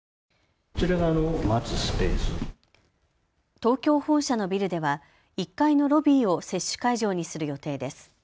東京本社のビルでは１階のロビーを接種会場にする予定です。